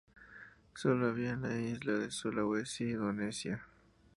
Solo habita en la isla de Sulawesi, Indonesia.